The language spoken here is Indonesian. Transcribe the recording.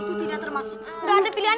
tapi kamu bisa sendirian